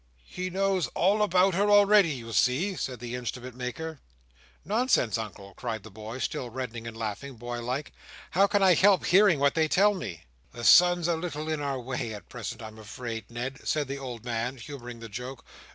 "He knows all about her already, you see," said the instrument maker. "Nonsense, Uncle," cried the boy, still reddening and laughing, boy like. "How can I help hearing what they tell me?" "The son's a little in our way at present, I'm afraid, Ned," said the old man, humouring the joke.